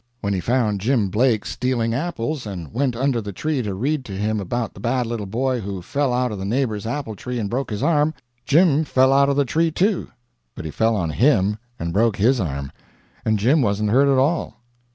When he found Jim Blake stealing apples, and went under the tree to read to him about the bad little boy who fell out of a neighbor's apple tree and broke his arm, Jim fell out of the tree, too, but he fell on him and broke his arm, and Jim wasn't hurt at all.